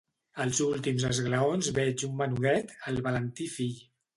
Als últims esglaons veig un menudet, el Valentí fill.